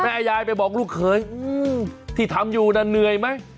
แม่ยายไปบอกลูกเขยที่ทำอยู่น่ะเหนื่อยไหม